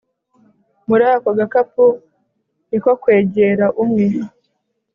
mrako gakapu niko kwegera umwe